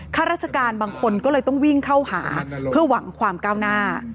ข้าราชการบางคนก็เลยต้องวิ่งเข้าหาเพื่อหวังความก้าวหน้า